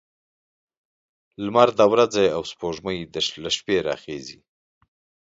لمر د ورځې او سپوږمۍ له شپې راخيژي